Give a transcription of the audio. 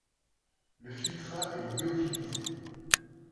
Le filtrat est lyophilisé.